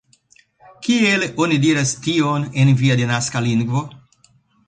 Kiel oni diras tion en via denaska lingvo?